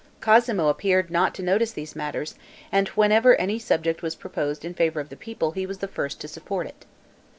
Cosmo appeared not to notice these matters; and whenever any subject was proposed in favor of the people he was the first to support it.